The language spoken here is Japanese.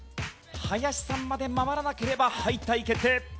林さんまで回らなければ敗退決定。